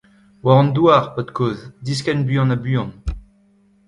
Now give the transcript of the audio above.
War an douar, paotr kozh, diskenn buan ha buan !…